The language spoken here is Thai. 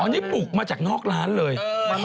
นี่ปลูกมาจากนอกร้านเลย